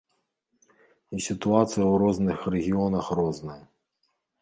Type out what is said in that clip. І сітуацыя ў розных рэгіёнах розная.